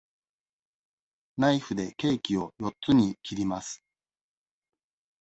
ナイフでケーキを四つに切ります。